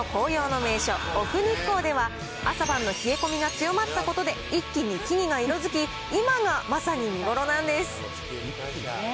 全国有数の紅葉の名所、奥日光では朝晩の冷え込みが強まったことで、一気に木々が色づき、今がまさに見頃なんです。